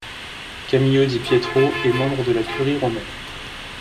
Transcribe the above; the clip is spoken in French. Camillo Di Pietro est membre de la Curie romaine.